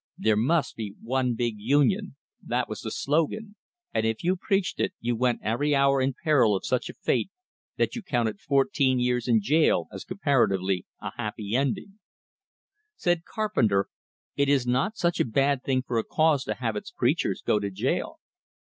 There must be One Big Union that was the slogan, and if you preached it, you went every hour in peril of such a fate that you counted fourteen years in jail as comparatively a happy ending. Said Carpenter: "It is not such a bad thing for a cause to have its preachers go to jail."